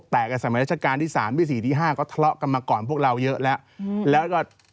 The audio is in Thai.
ตัดการที่๓๔๕ก็ทะเลาะกันมาก่อนพวกเราเยอะแล้ว